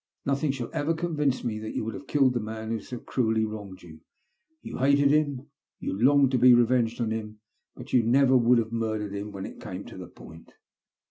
Nothing shall ever convince me that you would have killed the man who so cruelly wronged you. You hated him; you longed to be revenged on him; but you never would have murdered him when it came to the i)oint."